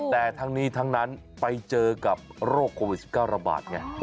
แต่ทั้งนี้ทั้งนั้นไปเจอกับโรคโควิด๑๙ระบาดไง